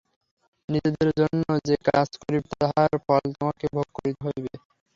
নিজের জন্য যে কাজ করিবে, তাহার ফল তোমাকে ভোগ করিতে হইবে।